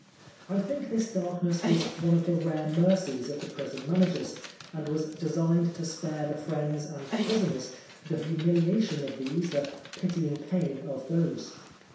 I think this darkness was one of the rare mercies of the prison managers, and was designed to spare to friends and prisoners the humiliation of these, the pitying pain of those.